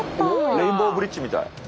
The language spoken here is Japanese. レインボーブリッジみたい。